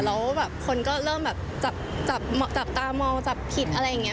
แล้วแบบคนก็เริ่มแบบจับตามองจับผิดอะไรอย่างนี้